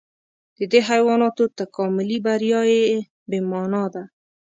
د دې حیواناتو تکاملي بریا بې مانا ده.